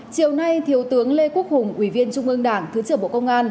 chiều nay thiếu tướng lê quốc hùng ủy viên trung ương đảng thứ trưởng bộ công an